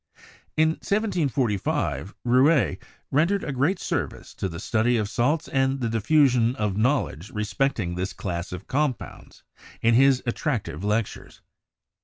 In 1745, Rouelle rendered a great service to the study of salts and the diffusion of knowledge respecting this class of compounds in his attractive lectures.